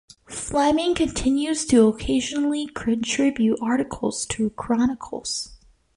Fleming continues to occasionally contribute articles to "Chronicles".